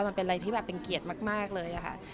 มันเป็นอะไรที่แบบเป็นเกียรติมากเลยค่ะ